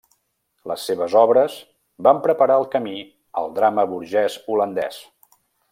Les seves obres van preparar el camí al drama burgès holandès.